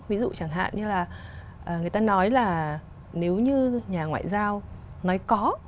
ví dụ chẳng hạn như là người ta nói là nếu như nhà ngoại giao nói có